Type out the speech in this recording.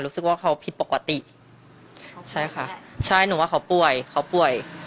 รู้สึกว่าเขาผิดปกติใช่ค่ะใช่หนูว่าเขาป่วยเขาป่วย